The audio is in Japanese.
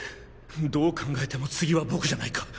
どう考えても次は僕じゃないか！